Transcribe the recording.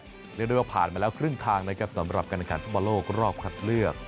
เรียกได้ว่าผ่านมาแล้วครึ่งทางนะครับสำหรับการแข่งขันฟุตบอลโลกรอบคัดเลือก